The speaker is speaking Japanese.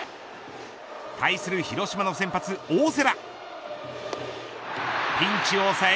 対する広島の先発、大瀬良・ピンチを抑え、